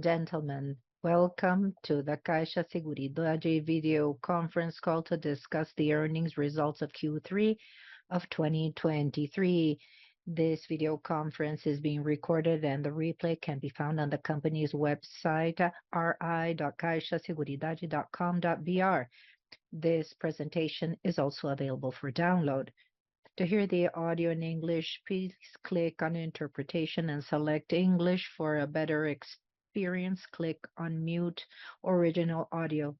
Gentlemen, welcome to the Caixa Seguridade video conference call to discuss the earnings results of Q3 of 2023. This video conference is being recorded, and the replay can be found on the company's website at ri.caixaseguridade.com.br. This presentation is also available for download. To hear the audio in English, please click on Interpretation and select English. For a better experience, click on mute original audio.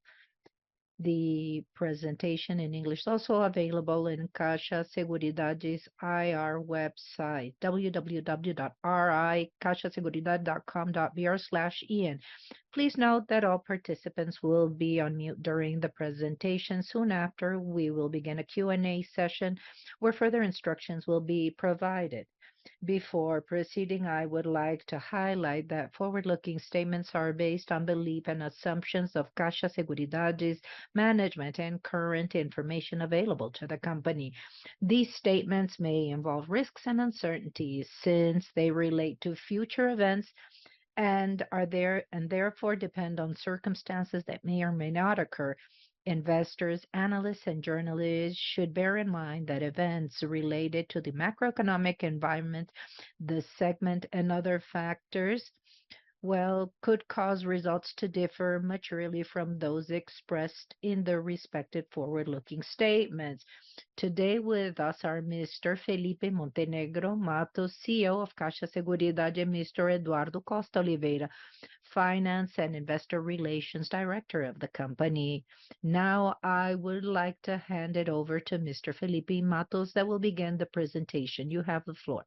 The presentation in English is also available in Caixa Seguridade's IR website, www.ri.caixaseguridade.com.br/en. Please note that all participants will be on mute during the presentation. Soon after, we will begin a Q and A session, where further instructions will be provided. Before proceeding, I would like to highlight that forward-looking statements are based on belief and assumptions of Caixa Seguridade's management and current information available to the company. These statements may involve risks and uncertainties, since they relate to future events and are therefore depend on circumstances that may or may not occur. Investors, analysts, and journalists should bear in mind that events related to the macroeconomic environment, the segment, and other factors, well, could cause results to differ materially from those expressed in the respective forward-looking statements. Today, with us are Mr. Felipe Montenegro Mattos, CEO of Caixa Seguridade, and Mr. Eduardo Costa Oliveira, Finance and Investor Relations Director of the company. Now, I would like to hand it over to Mr. Felipe Mattos, that will begin the presentation. You have the floor.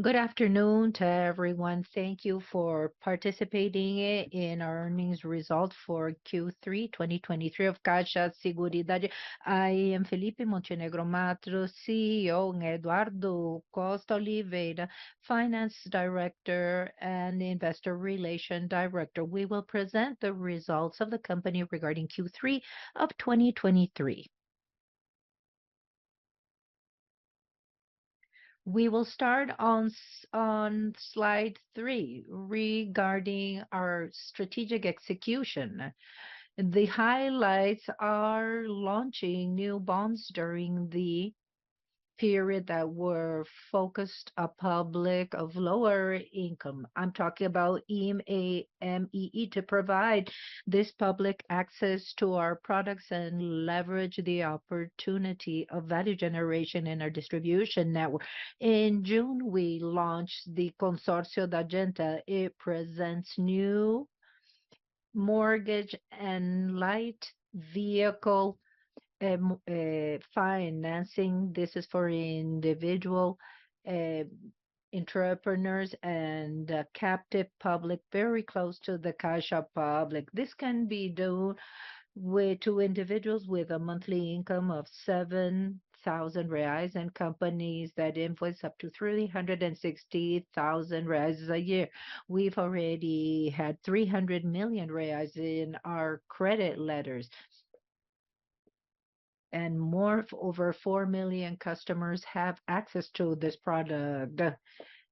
Good afternoon to everyone. Thank you for participating in our earnings results for Q3 2023 of Caixa Seguridade. I am Felipe Montenegro Mattos, CEO, and Eduardo Costa Oliveira, Finance Director and Investor Relations Director. We will present the results of the company regarding Q3 of 2023. We will start on slide three regarding our strategic execution. The highlights are launching new bonds during the period that were focused a public of lower income. I'm talking about ME, MEI, to provide this public access to our products and leverage the opportunity of value generation in our distribution network. In June, we launched the Consórcio da Gente. It presents new mortgage and light vehicle financing. This is for individual entrepreneurs and a captive public, very close to the CAIXA public. This can be done with to individuals with a monthly income of 7,000 reais and companies that invoice up to 360,000 reais a year. We've already had 300 million reais in our credit letters, and more, over 4 million customers have access to this product.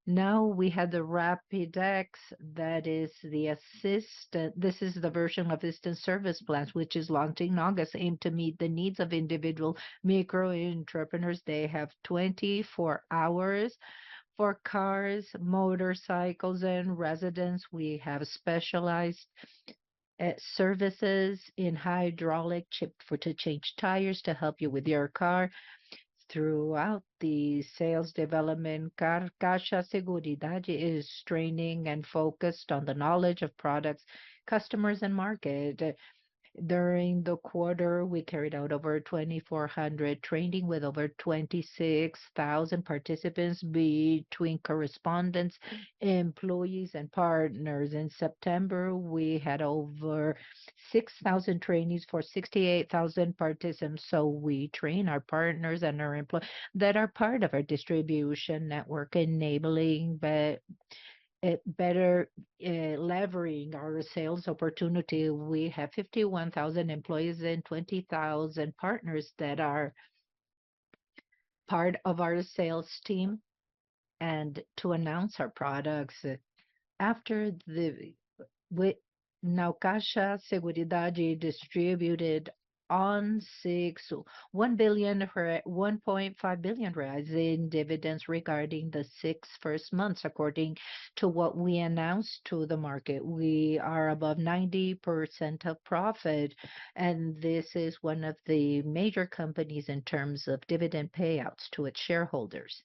Now, we have the Rapidex, that is the assistance. This is the version of assistance service plans, which is launching in August, aimed to meet the needs of individual micro-entrepreneurs. They have 24 hours for cars, motorcycles, and residents. We have specialized services in hydraulic jack for to change tires to help you with your car. Throughout the sales development, Caixa Seguridade is training and focused on the knowledge of products, customers, and market. During the quarter, we carried out over 2,400 training with over 26,000 participants between correspondents, employees, and partners. In September, we had over 6,000 trainees for 68,000 participants, so we train our partners and our employees that are part of our distribution network, enabling better leveraging our sales opportunity. We have 51,000 employees and 20,000 partners that are part of our sales team and to announce our products. Now, Caixa Seguridade distributed 1.5 billion in dividends regarding the six first months. According to what we announced to the market, we are above 90% of profit, and this is one of the major companies in terms of dividend payouts to its shareholders.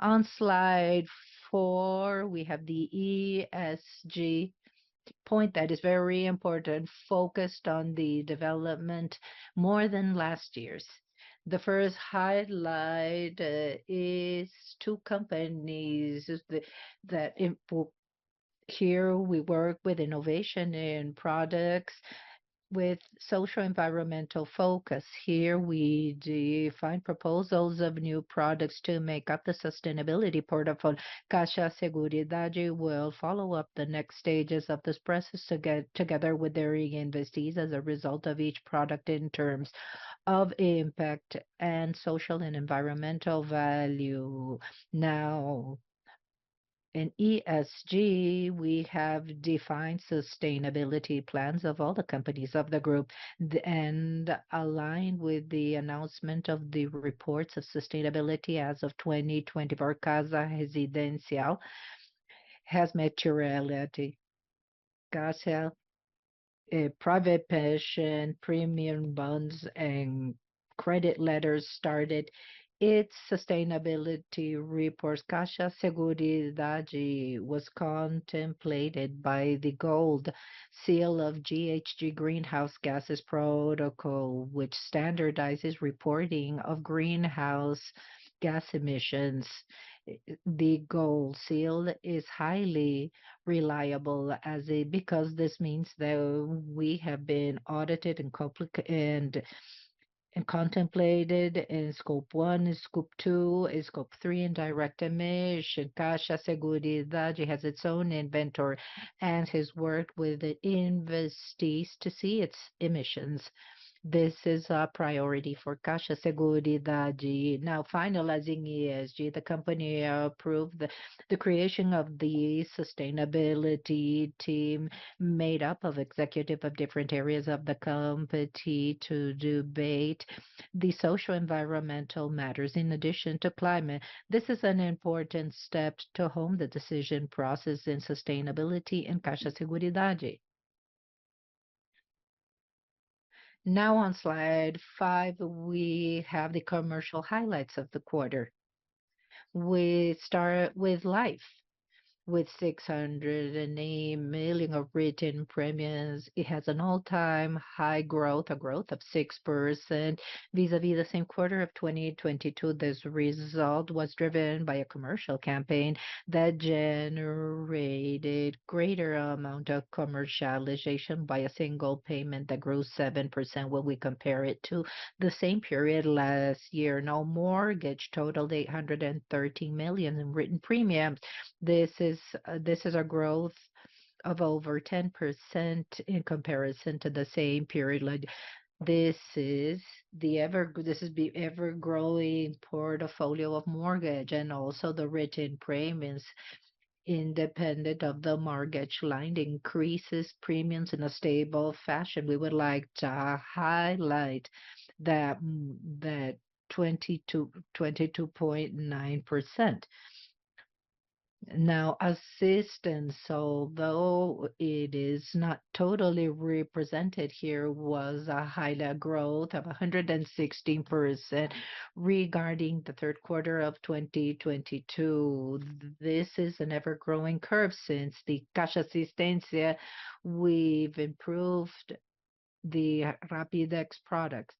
On slide four, we have the ESG point that is very important, focused on the development more than last year's. The first highlight is two companies. Here, we work with innovation in products with social-environmental focus. Here, we define proposals of new products to make up the sustainability portfolio. Caixa Seguridade will follow up the next stages of this process together with their investees as a result of each product in terms of impact and social and environmental value. In ESG, we have defined sustainability plans of all the companies of the group, and aligned with the announcement of the reports of sustainability as of 2020. Caixa Residencial has materiality. Caixa Private Pension, premium bonds, and credit letters started its sustainability reports. Caixa Seguridade was contemplated by the Gold Seal of GHG Protocol, as which standardizes reporting of greenhouse gas emissions. The Gold Seal is highly reliable because this means that we have been audited and compliant and contemplated in Scope 1, Scope 2, and Scope 3 in direct emission. Caixa Seguridade has its own inventory and has worked with the investees to assess its emissions. This is a priority for Caixa Seguridade. Now, finalizing ESG, the company approved the creation of the sustainability team, made up of executives from different areas of the company to debate the socio-environmental matters in addition to climate. This is an important step to hone the decision process in sustainability in Caixa Seguridade. Now, on Slide five, we have the commercial highlights of the quarter. We start with Life, with 608 million of written premiums. It has an all-time high growth, a growth of 6% vis-a-vis the same quarter of 2022. This result was driven by a commercial campaign that generated greater amount of commercialization by a single payment that grew 7% when we compare it to the same period last year. Now, Mortgage totaled 813 million in written premiums. This is, this is a growth of over 10% in comparison to the same period. Like, this is the ever-growing portfolio of mortgage, and also the written premiums, independent of the mortgage line, increases premiums in a stable fashion. We would like to highlight that 22.9%. Now, Assistance, although it is not totally represented here, was a higher growth of 116% regarding the third quarter of 2022. This is an ever-growing curve since the Caixa Assistência, we've improved the Rapidex product.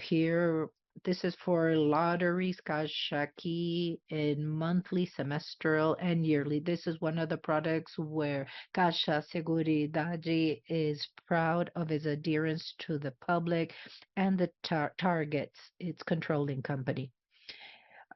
Here, this is for lotteries, CAIXA Aqui, in monthly, semestral, and yearly. This is one of the products where Caixa Seguridade is proud of its adherence to the public and the targets, its controlling company.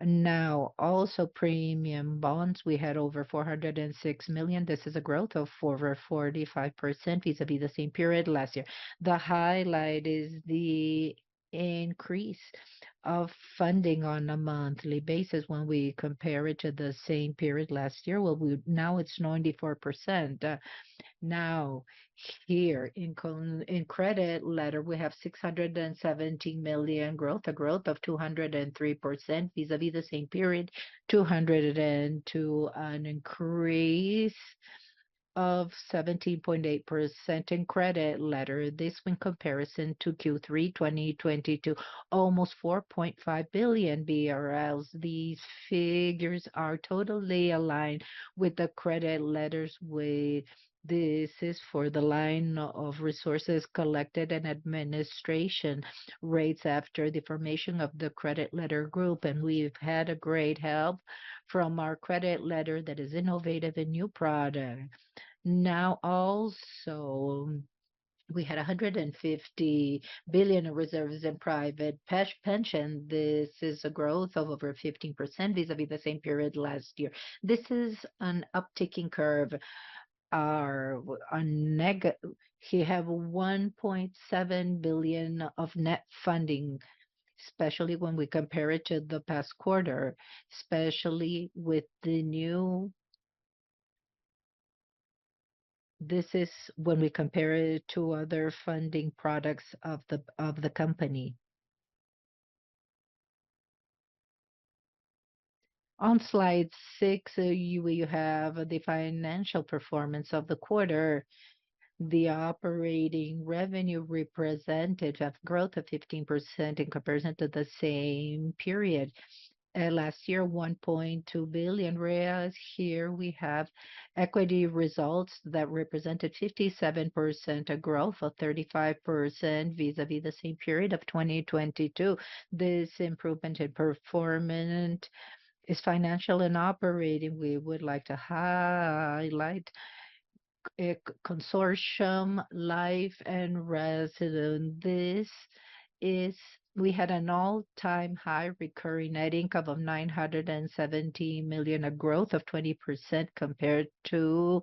Now, also, Premium Bonds, we had over 406 million. This is a growth of over 45% vis-a-vis the same period last year. The highlight is the increase of funding on a monthly basis when we compare it to the same period last year. Now it's 94%. Now, here in credit letter, we have 617 million growth, a growth of 203% vis-a-vis the same period, 2022, an increase of 17.8% in credit letter. This in comparison to Q3 2022, almost 4.5 billion BRL. These figures are totally aligned with the credit letters with. This is for the line of resources collected and administration rates after the formation of the credit letter group, and we've had a great help from our credit letter that is innovative and new product. Now, also, we had 150 billion reserves in private pension. This is a growth of over 15% vis-a-vis the same period last year. This is an upticking curve. Our negative, we have 1.7 billion of net funding, especially when we compare it to the past quarter. This is when we compare it to other funding products of the, of the company. On Slide six, you have the financial performance of the quarter. The operating revenue represented a growth of 15% in comparison to the same period last year, 1.2 billion reais. Here we have equity results that represented 57%, a growth of 35% vis-a-vis the same period of 2022. This improvement in performance is financial and operating. We would like to highlight consortium, life, and residence. This is. We had an all-time high recurring net income of 970 million, a growth of 20% compared to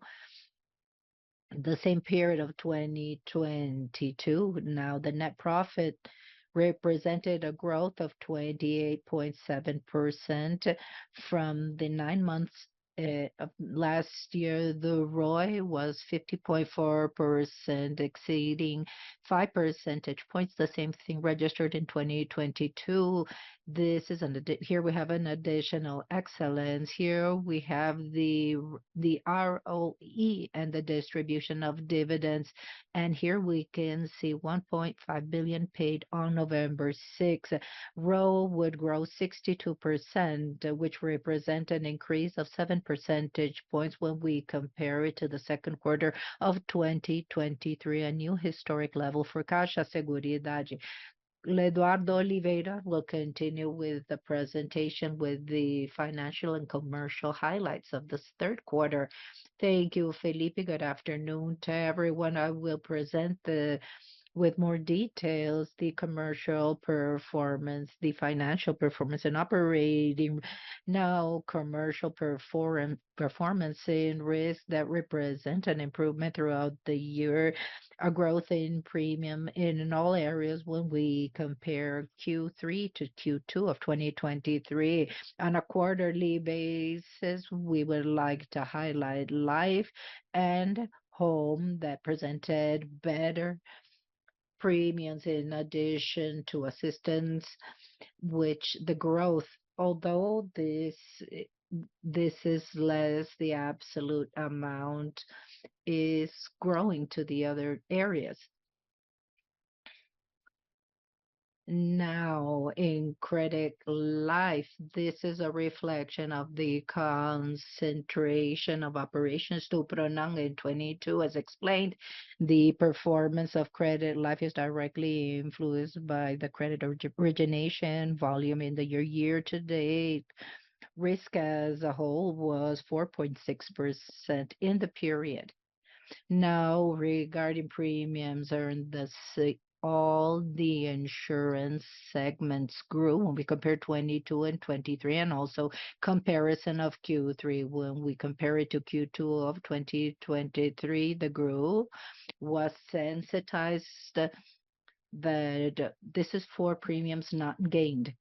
the same period of 2022. Now, the net profit represented a growth of 28.7% from the nine monnths of last year. The ROI was 50.4%, exceeding 5 percentage points, the same thing registered in 2022. This is an additional excellence. Here we have the ROE and the distribution of dividends, and here we can see 1.5 billion paid on November 6th. ROE would grow 62%, which represent an increase of seven percentage points when we compare it to the second quarter of 2023, a new historic level for Caixa Seguridade. Eduardo Oliveira will continue with the presentation with the financial and commercial highlights of this third quarter. Thank you, Felipe. Good afternoon to everyone. I will present, with more details, the commercial performance, the financial performance, and operating. Now, commercial performance and risk that represent an improvement throughout the year. A growth in premium in all areas when we compare Q3 to Q2 of 2023. On a quarterly basis, we would like to highlight Life and Home, that presented better premiums in addition to assistance, which the growth, although this, this is less, the absolute amount is growing to the other areas. Now, in credit life, this is a reflection of the concentration of operations to PRONAMPE in 2022. As explained, the performance of credit life is directly influenced by the credit origination volume in the year. Year to date, risk as a whole was 4.6% in the period. Now, regarding premiums earned, all the insurance segments grew when we compare 2022 and 2023, and also comparison of Q3. When we compare it to Q2 of 2023, the growth was sensitized. This is for premiums not gained.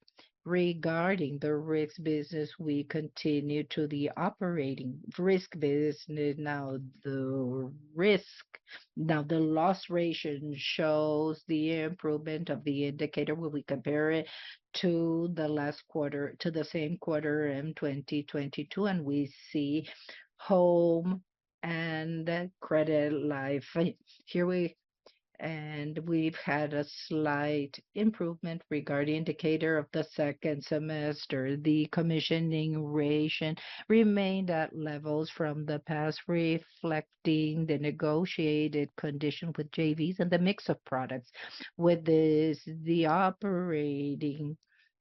Regarding the risk business, we continue to the operating risk business. Now, the risk. Now, the loss ratio shows the improvement of the indicator when we compare it to the last quarter, to the same quarter in 2022, and we see Home and Credit Life. And we've had a slight improvement regarding indicator of the second semester. The Combined Ratio remained at levels from the past, reflecting the negotiated condition with JVs and the mix of products. With this, the operating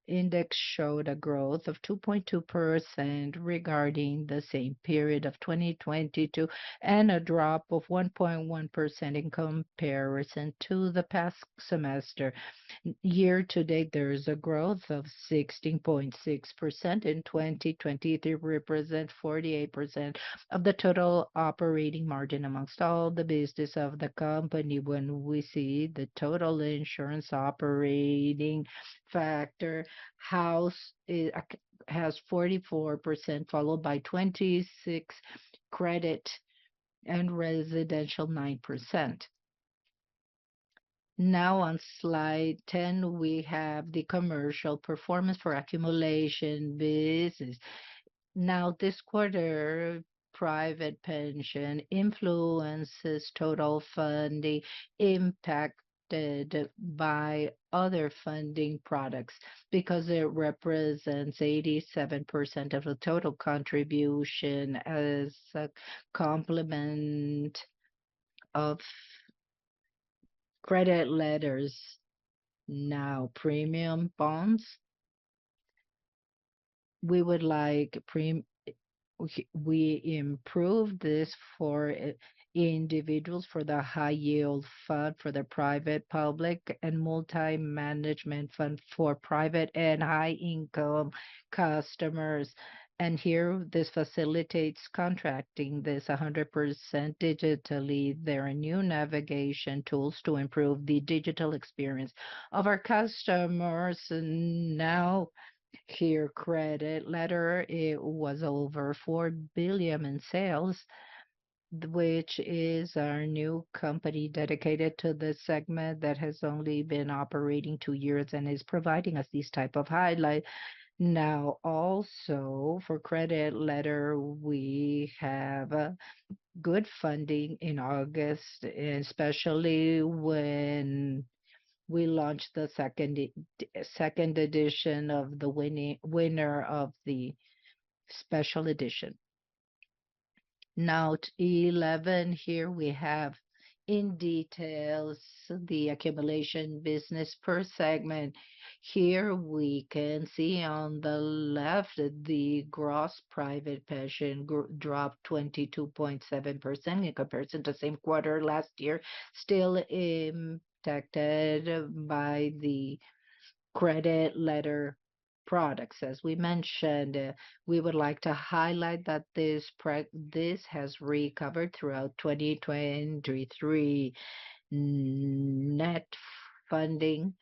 index showed a growth of 2.2% regarding the same period of 2022, and a drop of 1.1% in comparison to the past semester. Year to date, there is a growth of 16.6%. In 2023, represent 48% of the total operating margin amongst all the business of the company. When we see the total insurance operating factor, House has 44%, followed by 26 Credit and residential, 9%. Now, on slide 10, we have the commercial performance for accumulation business. Now, this quarter, private pension influences total funding impacted by other funding products because it represents 87% of the total contribution as a complement of credit letters. Now, premium bonds, we improved this for individuals for the high-yield fund, for the private, public, and multi-management fund, for private and high-income customers. And here, this facilitates contracting this 100% digitally. There are new navigation tools to improve the digital experience of our customers. Now, here, Credit letter, it was over 4 billion in sales, which is our new company dedicated to this segment that has only been operating two years and is providing us these type of highlight. Now, also for Credit letter, we have a good funding in August, especially when we launched the second edition of the winner of the special edition. Now, to 11, here we have in details the accumulation business per segment. Here we can see on the left, the gross private pension dropped 22.7% in comparison to the same quarter last year, still impacted by the credit letter products. As we mentioned, we would like to highlight that this has recovered throughout 2023. Net funding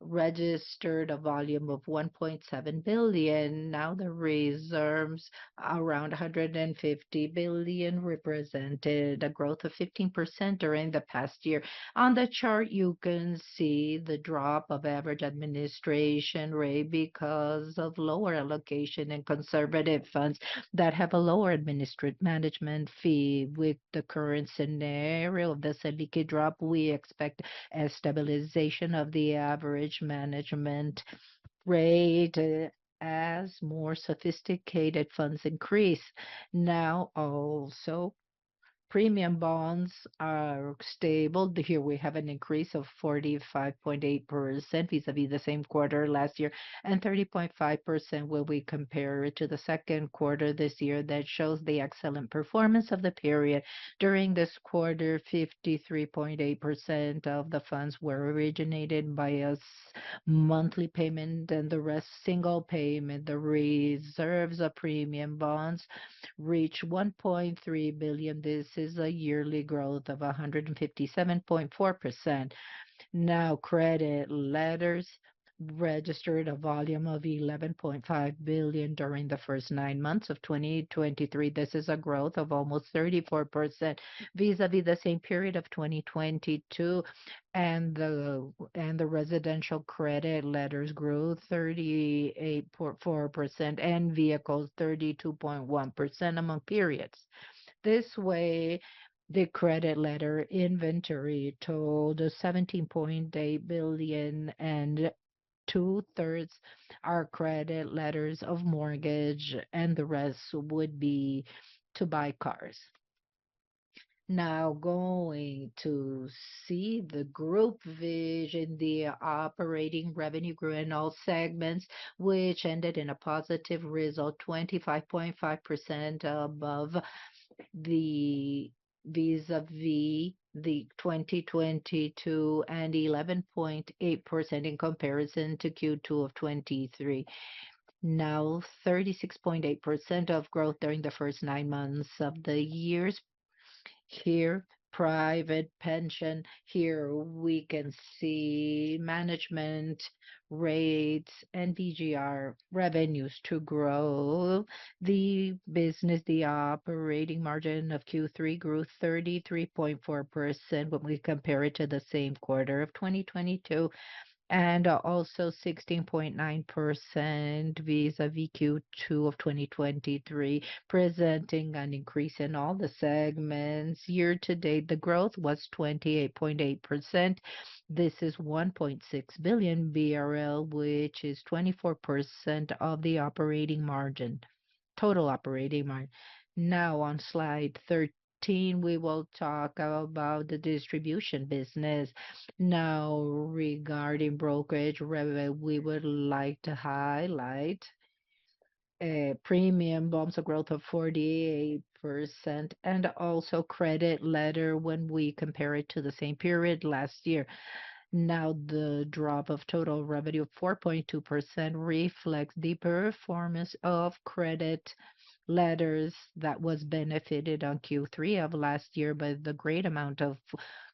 registered a volume of 1.7 billion. Now, the reserves, around 150 billion, represented a growth of 15% during the past year. On the chart, you can see the drop of average administration rate because of lower allocation and conservative funds that have a lower administrative management fee. With the current scenario of the CDI drop, we expect a stabilization of the average management rate, as more sophisticated funds increase. Now, also, premium bonds are stable. Here we have an increase of 45.8% vis-a-vis the same quarter last year, and 30.5% when we compare it to the second quarter this year. That shows the excellent performance of the period. During this quarter, 53.8% of the funds were originated by a single monthly payment, and the rest, single payment. The reserves of premium bonds reached 1.3 billion. This is a yearly growth of 157.4%. Now, Credit letters registered a volume of 11.5 billion during the first nine months of 2023. This is a growth of almost 34% vis-a-vis the same period of 2022. And the residential credit letters grew 38.4%, and vehicles, 32.1% among periods. This way, the Credit letter inventory totaled BRL 17.8 billion, and 2/3 are Credit letters of mortgage, and the rest would be to buy cars. Now, going to see the group vision, the operating revenue grew in all segments, which ended in a positive result, 25.5% above vis-a-vis 2022, and 11.8% in comparison to Q2 of 2023. Now, 36.8% of growth during the first nine months of the years. Here, private pension. Here we can see management rates and VGR revenues to grow. The business, the operating margin of Q3 grew 33.4% when we compare it to the same quarter of 2022, and also 16.9% vis-a-vis Q2 of 2023, presenting an increase in all the segments. Year to date, the growth was 28.8%. This is 1.6 billion BRL, which is 24% of the operating margin, total operating margin. Now, on slide 13, we will talk about the distribution business. Now, regarding brokerage revenue, we would like to highlight premium bonds of growth of 48%, and also credit letter when we compare it to the same period last year. Now, the drop of total revenue of 4.2% reflects the performance of Credit letters that was benefited on Q3 of last year by the great amount of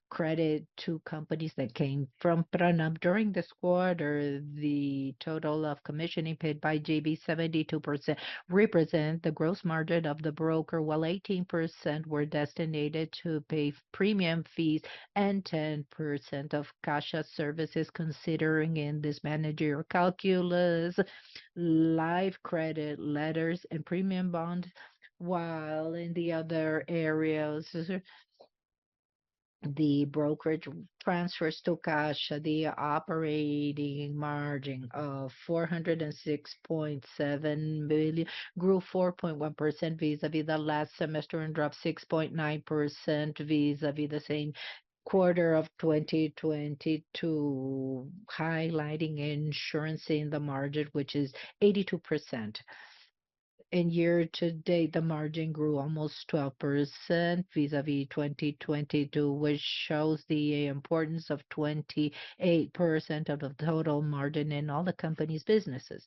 Credit to companies that came from PRONAMPE. During this quarter, the total of commissions paid by the Bank, 72%, represent the gross margin of the broker, while 18% were designated to pay premium fees and 10% of cash services, considering in this managerial calculus, Live Credit Letters and Premium Bonds, while in the other areas, the brokerage transfers to cash, the operating margin of 406.7 million grew 4.1% vis-a-vis the last semester and dropped 6.9% vis-a-vis the same quarter of 2022, highlighting insurance in the margin, which is 82%. In year to date, the margin grew almost 12% vis-a-vis 2022, which shows the importance of 28% of the total margin in all the company's businesses.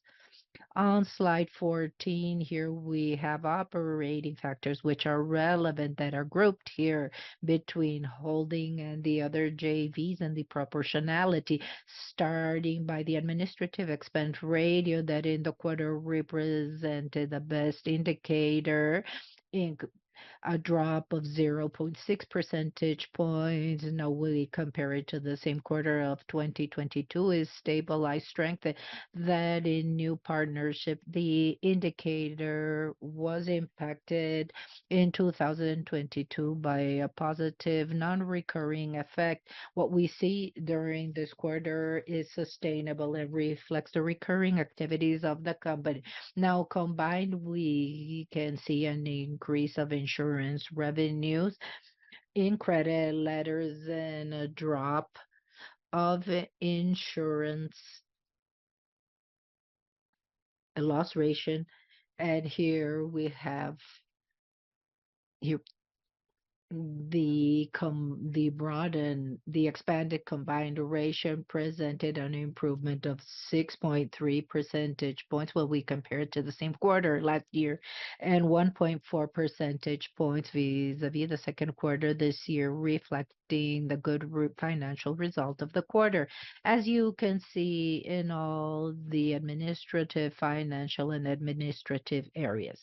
On slide 14, here we have operating factors which are relevant, that are grouped here between holding and the other JVs and the proportionality. Starting by the administrative expense ratio, that in the quarter represented the best indicator in a drop of 0.6 percentage points, now when we compare it to the same quarter of 2022, is stabilized strength, that in new partnership, the indicator was impacted in 2022 by a positive, non-recurring effect. What we see during this quarter is sustainable and reflects the recurring activities of the company. Now, combined, we can see an increase of insurance revenues in redit letters and a drop of insurance, aa loss ratio. And here we have- Here, the broadened, the expanded combined duration presented an improvement of 6.3 percentage points when we compare it to the same quarter last year, and 1.4 percentage points vis-à-vis the second quarter this year, reflecting the good group financial result of the quarter, as you can see in all the administrative, financial, and administrative areas.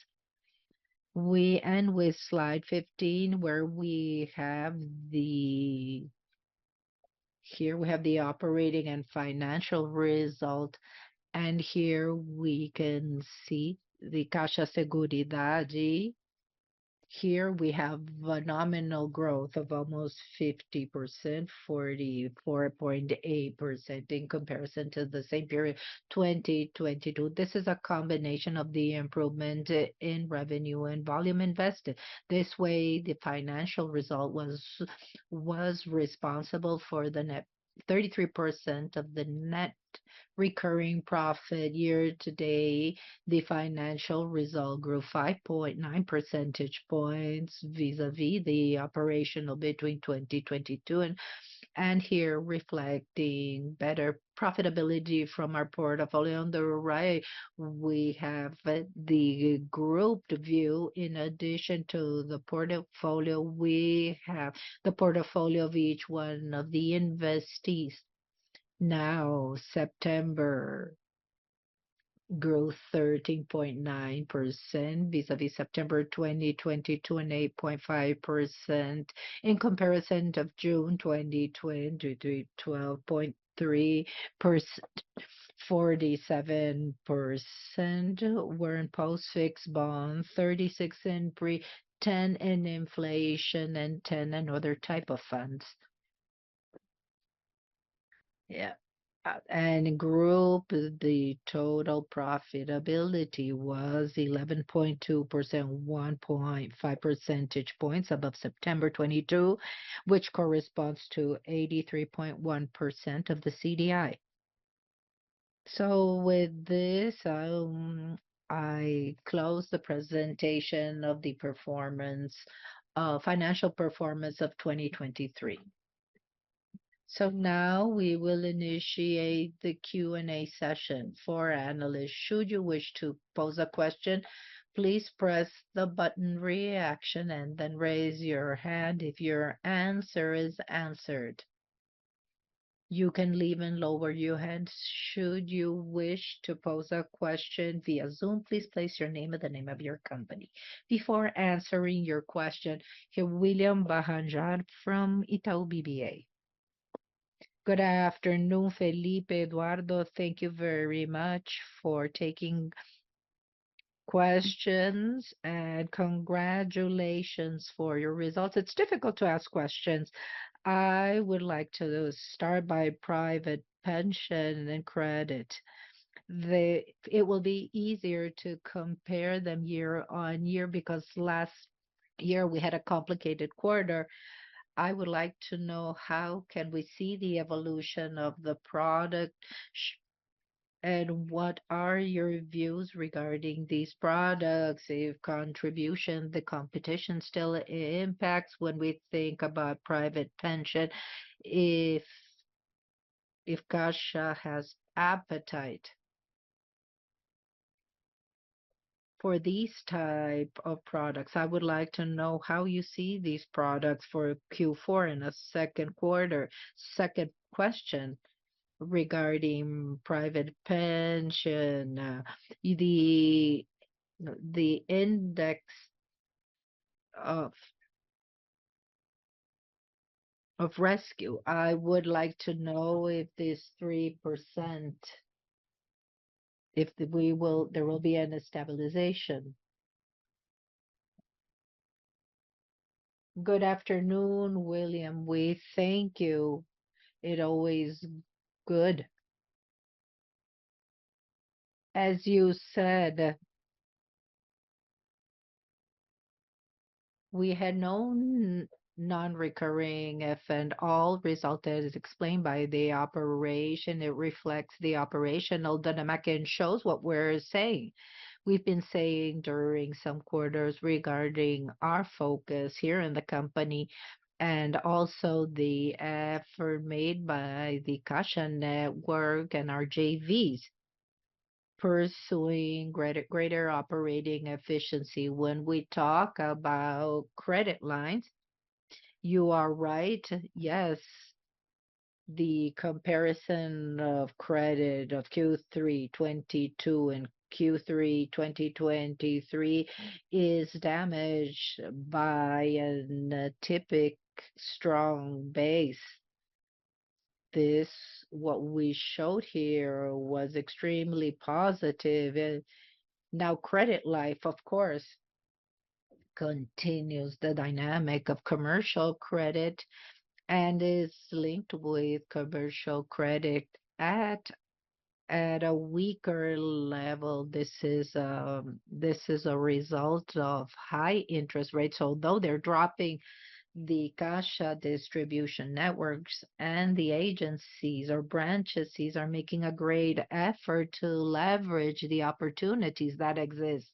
We end with slide 15, where we have the operating and financial result, and here we can see the Caixa Seguridade. Here we have a nominal growth of almost 50%, 44.8%, in comparison to the same period, 2022. This is a combination of the improvement in revenue and volume invested. This way, the financial result was responsible for 33% of the net recurring profit year to date. The financial result grew 5.9 percentage points vis-a-vis the operational between 2022. Here, reflecting better profitability from our portfolio. On the right, we have the grouped view. In addition to the portfolio, we have the portfolio of each one of the investees. Now, September grew 13.9% vis-a-vis September 2022, and 8.5% in comparison of June 2023, 12.3%. 47% were in post-fixed bonds, 36 in pre, 10 in inflation, and 10 in other type of funds. And in group, the total profitability was 11.2%, 1.5 percentage points above September 2022, which corresponds to 83.1% of the CDI. So with this, I close the presentation of the performance, financial performance of 2023. So now we will initiate the Q and A session for analysts. Should you wish to pose a question, please press the button reaction, and then raise your hand. If your answer is answered, you can leave and lower your hand. Should you wish to pose a question via Zoom, please place your name and the name of your company before answering your question. Here, William Barranjard from Itaú BBA. Good afternoon, Felipe, Eduardo. Thank you very much for taking questions, and congratulations for your results. It's difficult to ask questions. I would like to start by private pension and credit. It will be easier to compare them year-on-year, because last year we had a complicated quarter. I would like to know: How can we see the evolution of the product? And what are your views regarding these products, if contribution, the competition still, impacts when we think about private pension, if, if Caixa has appetite for these type of products? I would like to know how you see these products for Q4 in the second quarter. Second question regarding private pension, the index of rescue. I would like to know if this 3%, if we will—there will be a stabilization. Good afternoon, William. We thank you. It always good. As you said, we had no non-recurring F, and all result is explained by the operation. It reflects the operational dynamic and shows what we're saying. We've been saying during some quarters regarding our focus here in the company, and also the effort made by the Caixa network and our JVs pursuing greater operating efficiency. When we talk about credit lines, you are right. Yes, the comparison of credit of Q3 2022 and Q3 2023 is damaged by an atypical strong base. This, what we showed here, was extremely positive. And now credit life, of course, continues the dynamic of commercial credit and is linked with commercial credit at a weaker level. This is a result of high interest rates. Although they're dropping, the Caixa distribution networks and the agencies or branches, these are making a great effort to leverage the opportunities that exist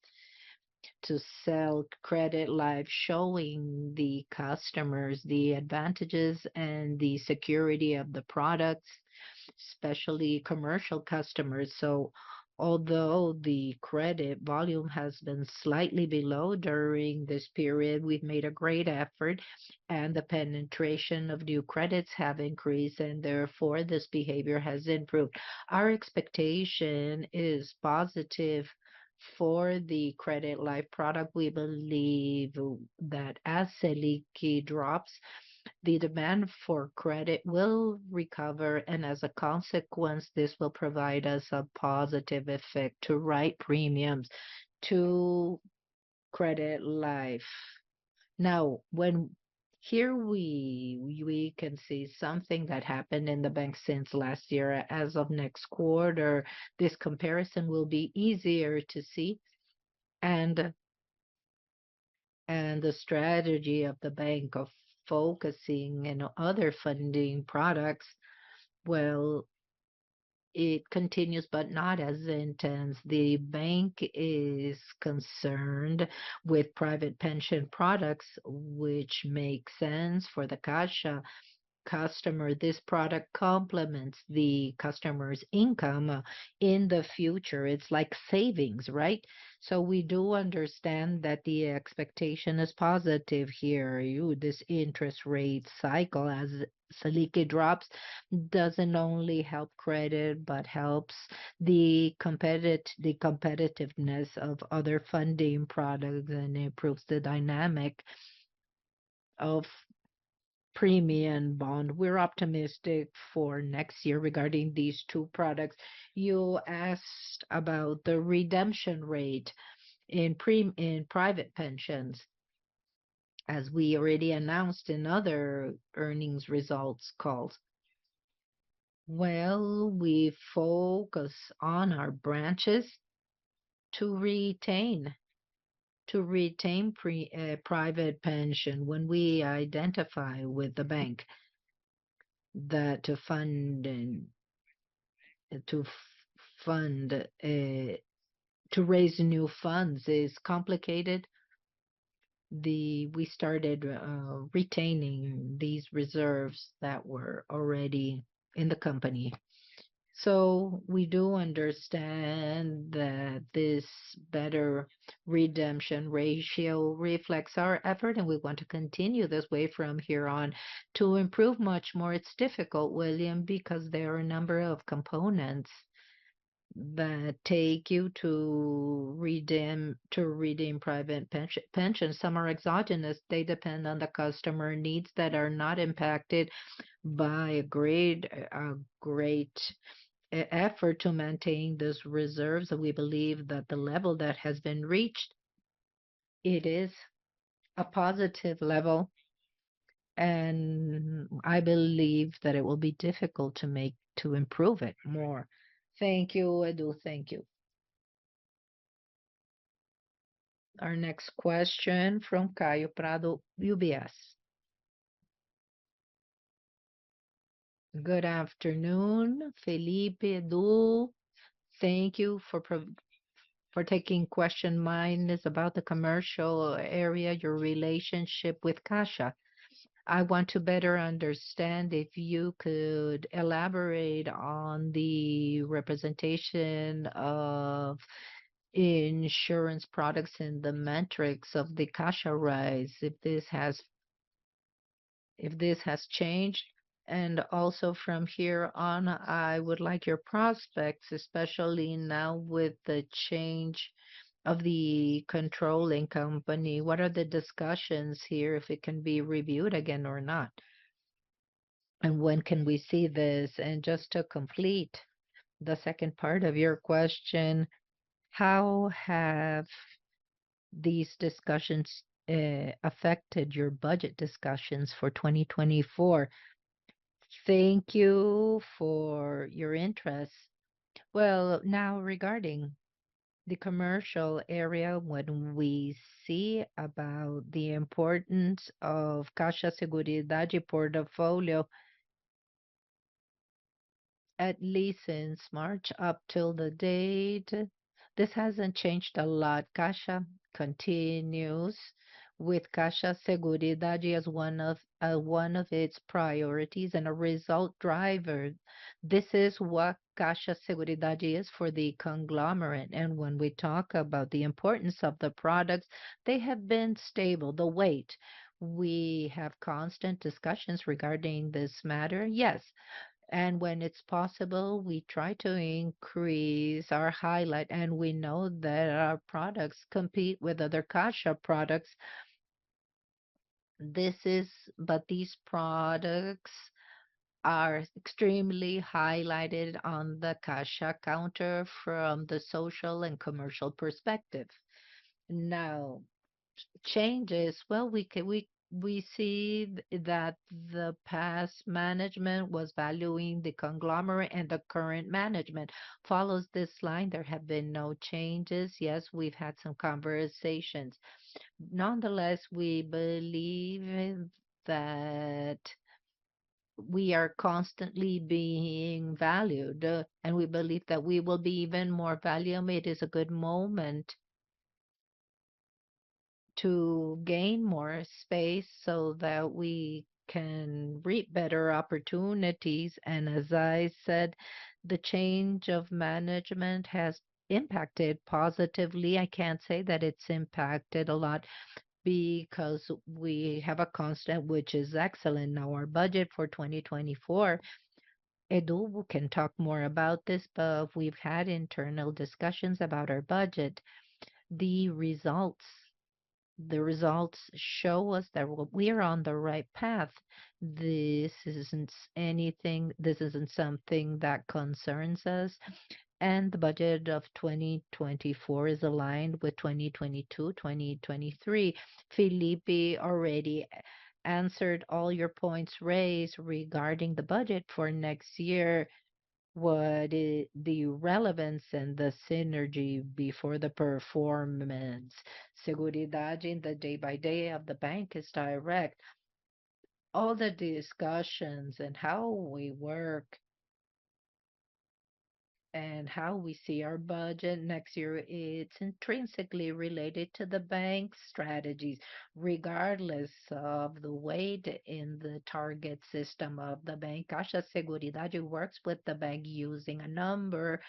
to sell credit life, showing the customers the advantages and the security of the products, especially commercial customers. So although the credit volume has been slightly below during this period, we've made a great effort, and the penetration of new credits have increased, and therefore, this behavior has improved. Our expectation is positive for the credit life product. We believe that as Caixa drops, the demand for credit will recover, and as a consequence, this will provide us a positive effect to write premiums to credit life. Now, here we can see something that happened in the bank since last year. As of next quarter, this comparison will be easier to see. And the strategy of the bank of focusing in other funding products, well, it continues, but not as intense. The bank is concerned with private pension products, which makes sense for the Caixa customer. This product complements the customer's income in the future. It's like savings, right? So we do understand that the expectation is positive here. This interest rate cycle, as Caixa drops, doesn't only help credit, but helps the competitiveness of other funding products and improves the dynamic of premium bond. We're optimistic for next year regarding these two products. You asked about the redemption rate in private pensions. As we already announced in other earnings results calls, well, we focus on our branches to retain private pension. When we identify with the bank that to raise new funds is complicated, we started retaining these reserves that were already in the company. So we do understand that this better redemption ratio reflects our effort, and we want to continue this way from here on. To improve much more, it's difficult, William, because there are a number of components that take you to redeem private pensions. Some are exogenous. They depend on the customer needs that are not impacted by a great effort to maintain these reserves, and we believe that the level that has been reached, it is a positive level, and I believe that it will be difficult to improve it more. Thank you, Edu. Thank you. Our next question from Kaio Prato, UBS. Good afternoon, Felipe, Edu. Thank you for taking my question. Mine is about the commercial area, your relationship with Caixa. I want to better understand, if you could elaborate on the representation of insurance products and the metrics of the Caixa rise, if this has changed. And also from here on, I would like your prospects, especially now with the change of the controlling company. What are the discussions here, if it can be reviewed again or not, and when can we see this? And just to complete the second part of your question, how have these discussions affected your budget discussions for 2024? Thank you for your interest. Well, now, regarding the commercial area, when we see about the importance of Caixa Seguridade portfolio, at least since March up till the date, this hasn't changed a lot. CAIXA continues with Caixa Seguridade as one of, one of its priorities and a result driver. This is what Caixa Seguridade is for the conglomerate, and when we talk about the importance of the products, they have been stable, the weight. We have constant discussions regarding this matter. Yes, and when it's possible, we try to increase our highlight, and we know that our products compete with other Caixa products. But these products are extremely highlighted on the CAIXA counter from the social and commercial perspective. Now, changes, well, we see that the past management was valuing the conglomerate, and the current management follows this line. There have been no changes. Yes, we've had some conversations. Nonetheless, we believe that we are constantly being valued, and we believe that we will be even more valued. It is a good moment to gain more space so that we can reap better opportunities. And as I said, the change of management has impacted positively. I can't say that it's impacted a lot because we have a constant, which is excellent. Now, our budget for 2024, Edu can talk more about this, but we've had internal discussions about our budget. The results, the results show us that we are on the right path. This isn't something that concerns us, and the budget of 2024 is aligned with 2022, 2023. Felipe already answered all your points raised regarding the budget for next year. What is the relevance and the synergy before the performance? Seguridade, in the day by day of the bank, is direct. All the discussions and how we work, and how we see our budget next year, it's intrinsically related to the bank's strategies, regardless of the weight in the target system of the bank. Caixa Seguridade works with the bank using a number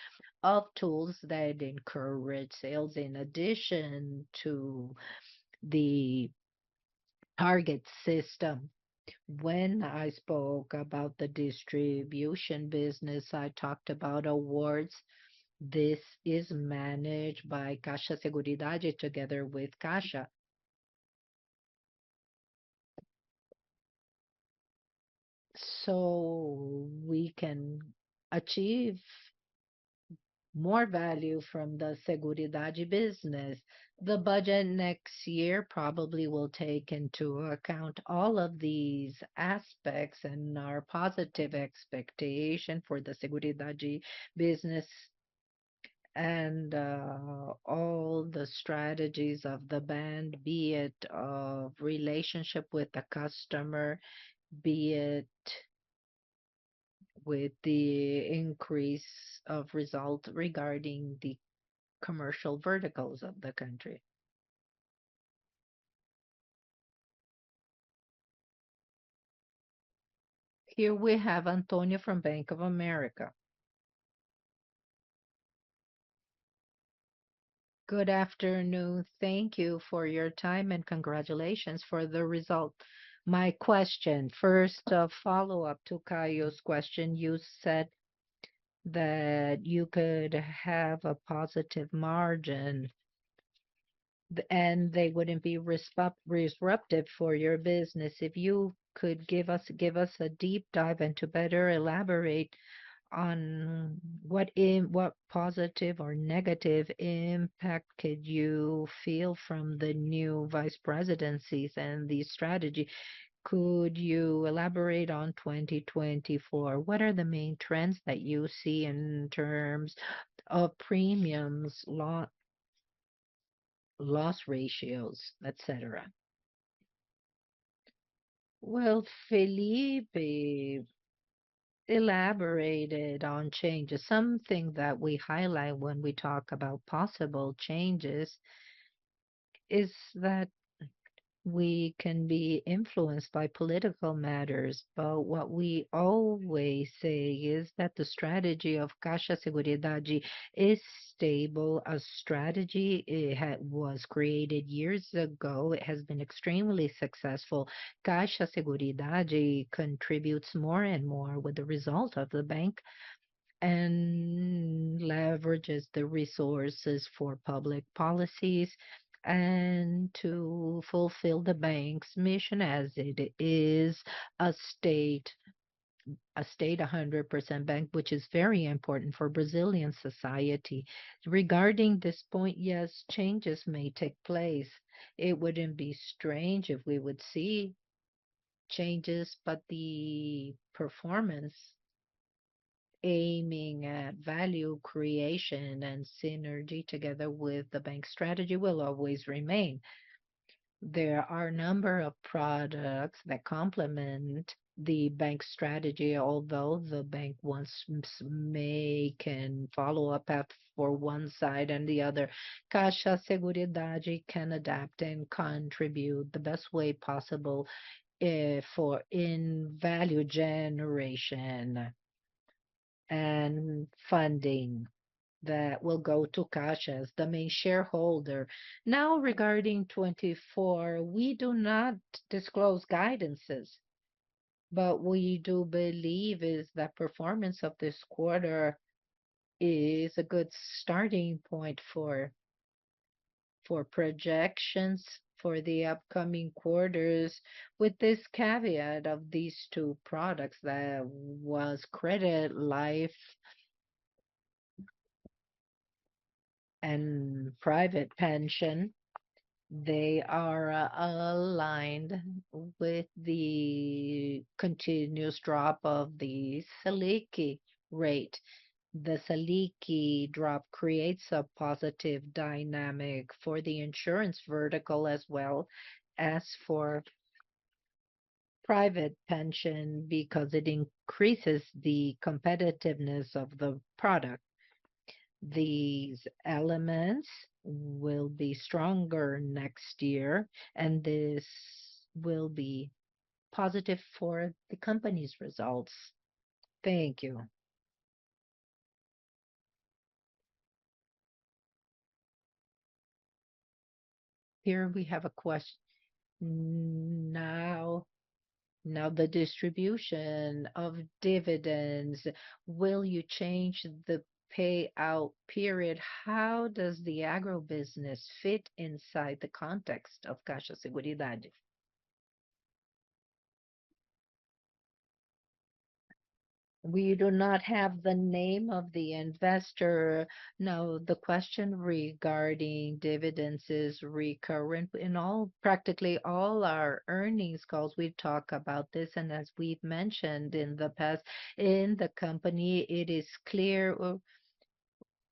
of tools that encourage sales in addition to the target system. When I spoke about the distribution business, I talked about awards. This is managed by Caixa Seguridade together with CAIXA. So we can achieve more value from the Seguridade business. The budget next year probably will take into account all of these aspects and our positive expectation for the Seguridade business, and all the strategies of the bank, be it relationship with the customer, be it with the increase of results regarding the commercial verticals of the country. Here we have Antonio from Bank of America. Good afternoon. Thank you for your time, and congratulations for the results. My question, first, a follow-up to Kaio's question: You said that you could have a positive margin, and they wouldn't be disruptive for your business. If you could give us, give us a deep dive and to better elaborate on what positive or negative impact could you feel from the new vice presidencies and the strategy? Could you elaborate on 2024? What are the main trends that you see in terms of premiums, loss, loss ratios, et cetera? Well, Felipe elaborated on changes. Something that we highlight when we talk about possible changes is that we can be influenced by political matters. But what we always say is that the strategy of Caixa Seguridade is stable. A strategy, it had, was created years ago. It has been extremely successful. Caixa Seguridade contributes more and more with the result of the bank, and leverages the resources for public policies, and to fulfill the bank's mission as it is a state, a state 100% bank, which is very important for Brazilian society. Regarding this point, yes, changes may take place. It wouldn't be strange if we would see changes, but the performance aiming at value creation and synergy together with the bank strategy will always remain. There are a number of products that complement the bank's strategy. Although the bank wants, may, can follow a path for one side and the other, Caixa Seguridade can adapt and contribute the best way possible for in value generation and funding that will go to CAIXA as the main shareholder. Now, regarding 2024, we do not disclose guidances, but we do believe is the performance of this quarter is a good starting point for projections for the upcoming quarters, with this caveat of these two products, that was Credit Life and Private Pension. They are aligned with the continuous drop of the Selic rate. The Selic drop creates a positive dynamic for the insurance vertical, as well as for private pension because it increases the competitiveness of the product. These elements will be stronger next year, and this will be positive for the company's results. Thank you. Here we have a question, now the distribution of dividends. Will you change the payout period? How does the agribusiness fit inside the context of Caixa Seguridade? We do not have the name of the investor. No, the question regarding dividends is recurrent. In all, practically all our earnings calls, we've talked about this, and as we've mentioned in the past, in the company, it is clear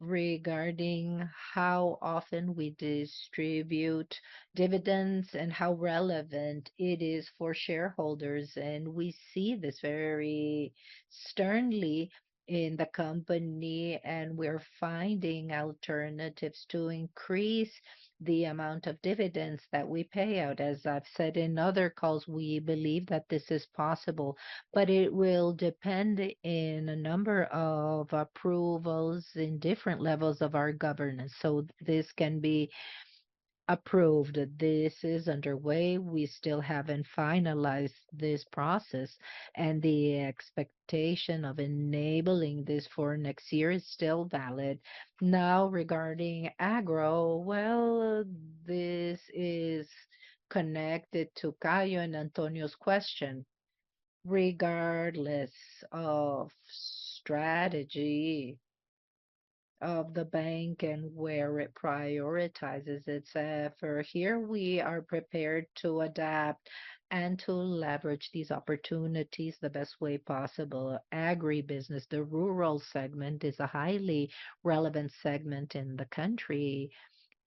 regarding how often we distribute dividends and how relevant it is for shareholders, and we see this very sternly in the company, and we're finding alternatives to increase the amount of dividends that we pay out. As I've said in other calls, we believe that this is possible, but it will depend in a number of approvals in different levels of our governance, so this can be approved. This is underway. We still haven't finalized this process, and the expectation of enabling this for next year is still valid. Now, regarding agro, well, this is connected to Kaio and Antonio's question. Regardless of strategy of the bank and where it prioritizes its effort, here we are prepared to adapt and to leverage these opportunities the best way possible. Agribusiness, the rural segment, is a highly relevant segment in the country,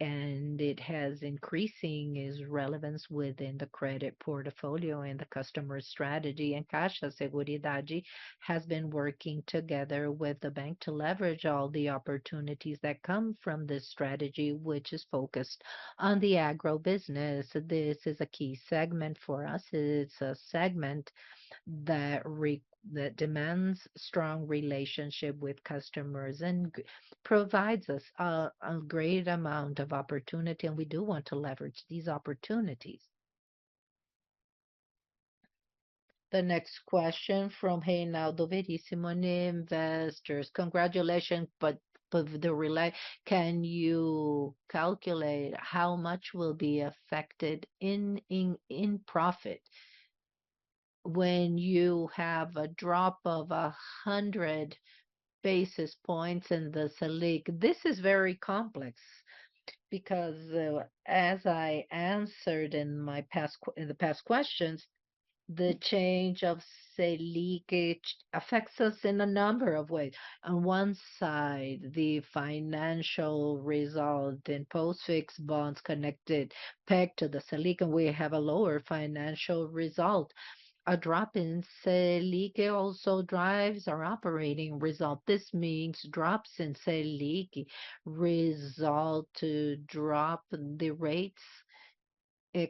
and it has increasing its relevance within the credit portfolio and the customer strategy. Caixa Seguridade has been working together with the bank to leverage all the opportunities that come from this strategy, which is focused on the agribusiness. This is a key segment for us. It's a segment that that demands strong relationship with customers and provides us a great amount of opportunity, and we do want to leverage these opportunities. The next question from Reinaldo Veríssimo, an investor. Congratulations, but can you calculate how much will be affected in profit when you have a drop of 100 basis points in the Selic? This is very complex because, as I answered in my past in the past questions, the change of Selic affects us in a number of ways. On one side, the financial result in post-fixed bonds connected, pegged to the Selic, and we have a lower financial result. A drop in Selic also drives our operating result. This means drops in Selic result to drop the rates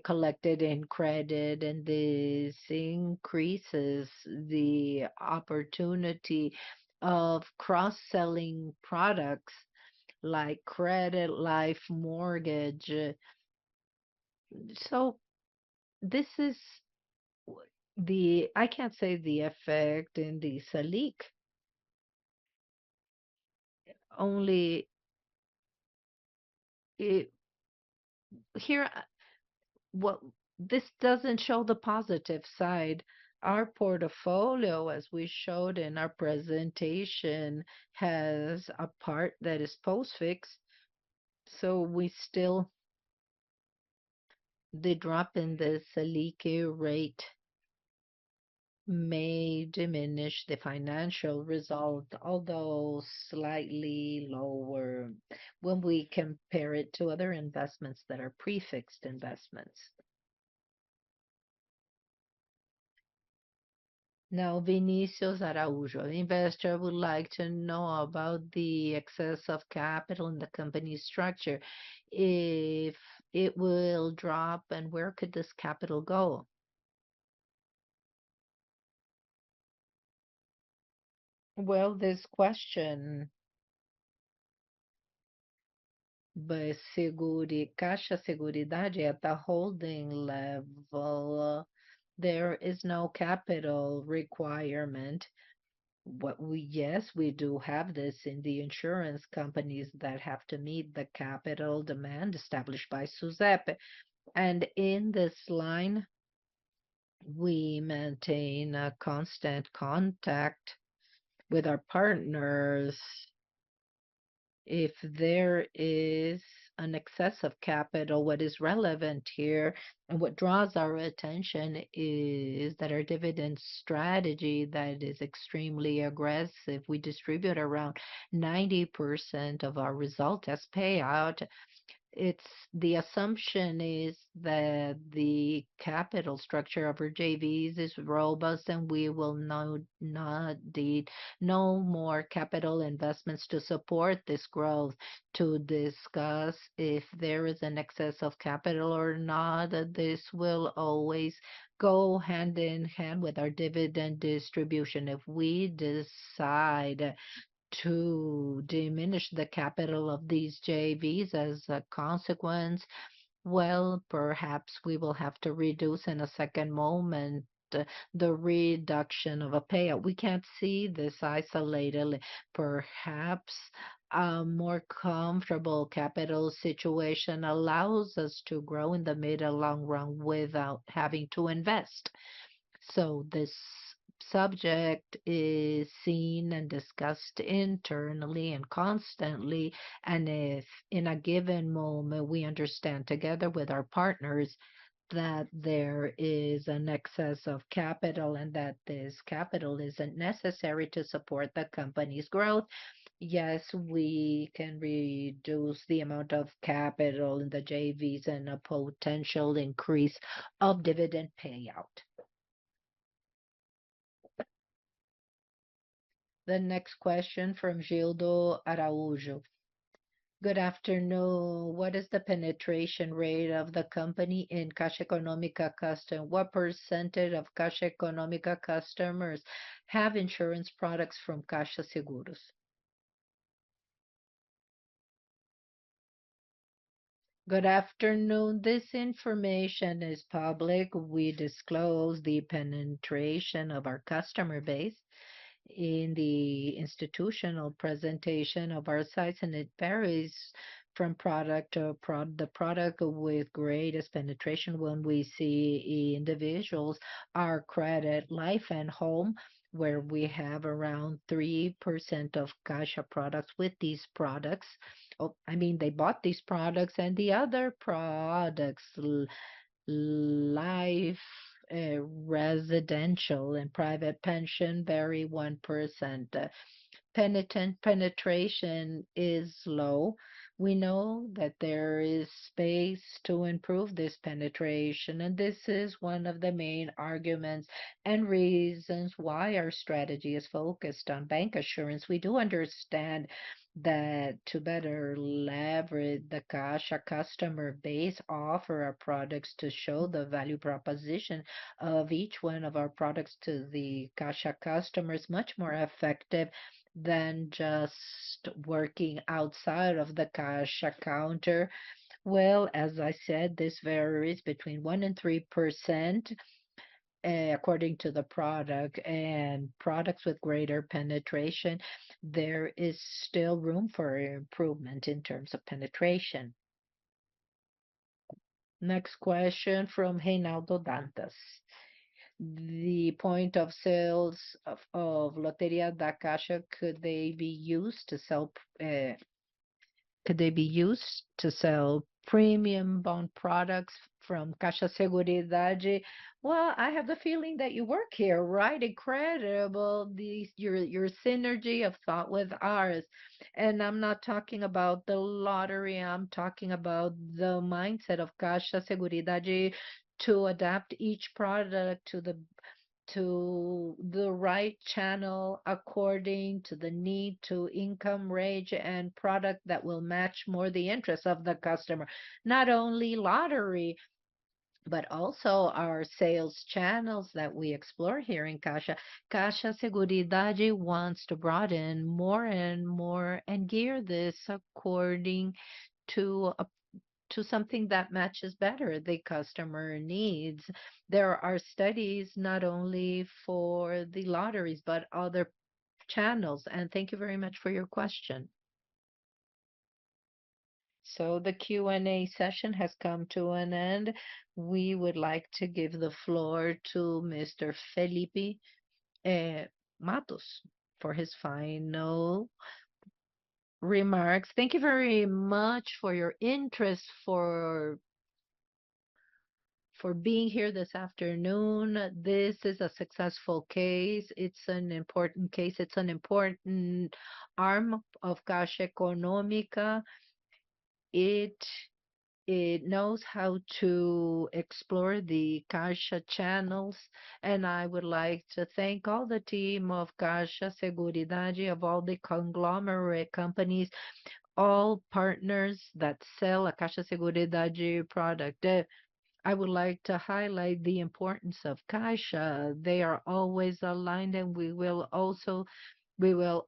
collected in credit, and this increases the opportunity of cross-selling products like credit, life, mortgage. So this is the. I can't say the effect in the Selic, only it. Here, well, this doesn't show the positive side. Our portfolio, as we showed in our presentation, has a part that is post-fixed, so we still. The drop in the Selic rate may diminish the financial result, although slightly lower when we compare it to other investments that are prefixed investments. Now, Vinicius Araújo, the investor, would like to know about the excess of capital in the company's structure, if it will drop, and where could this capital go? Well, this question at Seguridade, Caixa Seguridade at the holding level, there is no capital requirement. Yes, we do have this in the insurance companies that have to meet the capital demand established by SUSEP. And in this line, we maintain a constant contact with our partners. If there is an excess of capital, what is relevant here and what draws our attention is that our dividend strategy, that is extremely aggressive. We distribute around 90% of our result as payout. The assumption is that the capital structure of our JVs is robust, and we will not need no more capital investments to support this growth. To discuss if there is an excess of capital or not, this will always go hand in hand with our dividend distribution. If we decide to diminish the capital of these JVs as a consequence, well, perhaps we will have to reduce in a second moment the reduction of a payout. We can't see this isolated. Perhaps a more comfortable capital situation allows us to grow in the mid and long run without having to invest. So this subject is seen and discussed internally and constantly, and if in a given moment we understand together with our partners that there is an excess of capital and that this capital isn't necessary to support the company's growth, yes, we can reduce the amount of capital in the JVs and a potential increase of dividend payout. The next question from Gildo Araújo. Good afternoon. What is the penetration rate of the company in Caixa Econômica customer? What percentage of Caixa Econômica customers have insurance products from Caixa Seguros? Good afternoon. This information is public. We disclose the penetration of our customer base in the institutional presentation of our sites, and it varies from product to prod-- The product with greatest penetration when we see individuals are credit, life, and home, where we have around 3% of Caixa products with these products. Oh, I mean, they bought these products and the other products, life, residential and private pension, vary 1%. Penetration is low. We know that there is space to improve this penetration, and this is one of the main arguments and reasons why our strategy is focused on bancassurance. We do understand that to better leverage the Caixa customer base, offer our products to show the value proposition of each one of our products to the Caixa customers, much more effective than just working outside of the Caixa counter. Well, as I said, this varies between 1% and 3%, according to the product. And products with greater penetration, there is still room for improvement in terms of penetration. Next question from Reinaldo Dantas: The point of sales of o Loterias Caixa could they be used to sell premium bond products from Caixa Seguridade? Well, I have the feeling that you work here, right? Incredible, your synergy of thought with ours. And I'm not talking about the lottery, I'm talking about the mindset of Caixa Seguridade to adapt each product to the right channel, according to the need, to income range, and product that will match more the interests of the customer. Not only lottery, but also our sales channels that we explore here in Caixa. Caixa Seguridade wants to broaden more and more and gear this according to something that matches better the customer needs. There are studies not only for the lotteries, but other channels, and thank you very much for your question. So the Q and A session has come to an end. We would like to give the floor to Mr. Felipe Mattos for his final remarks. Thank you very much for your interest for being here this afternoon. This is a successful case. It's an important case. It's an important arm of Caixa Econômica. It knows how to explore the Caixa channels, and I would like to thank all the team of Caixa Seguridade, of all the conglomerate companies, all partners that sell a Caixa Seguridade product. I would like to highlight the importance of Caixa. They are always aligned, and we will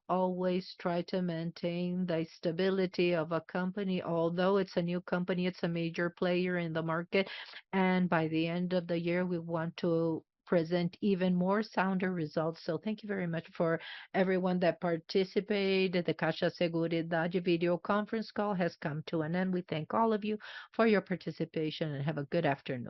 always try to maintain the stability of a company. Although it's a new company, it's a major player in the market, and by the end of the year, we want to present even more sounder results. Thank you very much for everyone that participated. The Caixa Seguridade video conference call has come to an end. We thank all of you for your participation, and have a good afternoon.